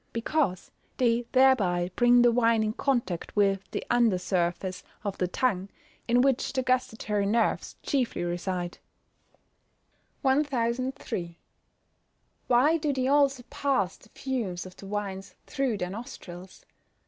_ Because they thereby bring the wine in contact with the under surface of the tongue, in which the gustatory nerves chiefly reside. 1003. _Why do they also pass the fumes of the wines through their nostrils?